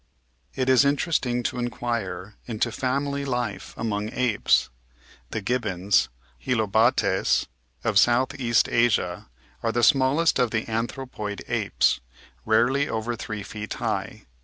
It is interesting to inquire into family life among apes. The Gibbons (Hylobates) of southeast Asia are the smaUest of the anthropoid apes, rarely over three feet high.